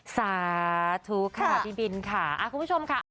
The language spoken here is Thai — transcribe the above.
สาธุค่ะพี่บินค่ะคุณผู้ชมค่ะ